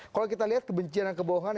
kalau kita lihat kebencian dan kebohongan